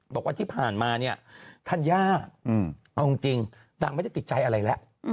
บอกว่าที่ผ่านมาเนี่ยธัญญาเอาจริงนางไม่ได้ติดใจอะไรแล้ว